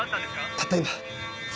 たった今。